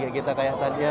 bukan kayak kita